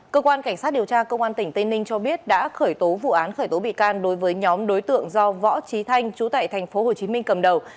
cơ quan cảnh sát điều tra công an tỉnh tây ninh cho biết đã khởi tố vụ án khởi tố bị can đối với nhóm đối tượng do võ trí thanh chú tại tp hcm cầm đầu